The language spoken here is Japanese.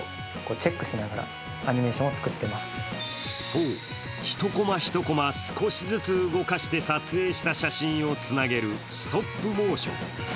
そう、一コマ一コマ少しずつ動かして撮影した写真をつなげるストップモーション。